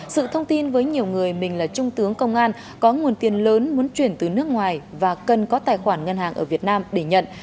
sự thông tin với nhiều người mình là trung tướng công an có nguồn tiền lớn muốn chuyển từ nước ngoài và cần có tài khoản ngân hàng ở việt nam để nhận